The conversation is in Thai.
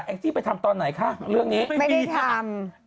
งจี้ไปทำตอนไหนคะเรื่องนี้ไม่มีทำ